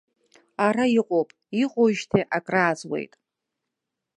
Ара иҟоуп, иҟоуижьҭеигьы акрааҵуеит.